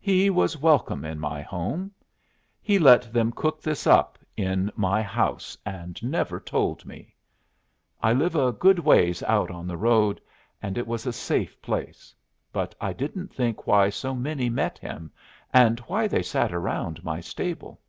"He was welcome in my home. He let them cook this up in my house and never told me. I live a good ways out on the road, and it was a safe place, but I didn't think why so many met him, and why they sat around my stable.